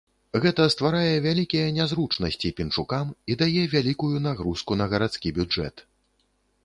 Гэта стварае вялікія нязручнасці пінчукам і дае вялікую нагрузку на гарадскі бюджэт.